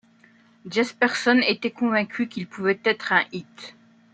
Jesperson était convaincu qu'il pouvait être un hit.